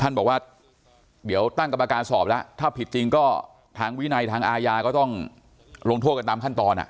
ท่านบอกว่าเดี๋ยวตั้งกรรมการสอบแล้วถ้าผิดจริงก็ทางวินัยทางอาญาก็ต้องลงโทษกันตามขั้นตอน